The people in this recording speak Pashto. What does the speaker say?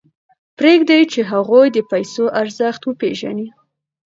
پرېږدئ چې هغوی د پیسو ارزښت وپېژني.